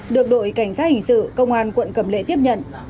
được đội cảnh sát hình sự công an quận cầm lệ tiếp nhận